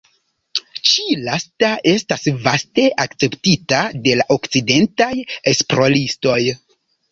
Ĉi-lasta estas vaste akceptita de la okcidentaj esploristoj.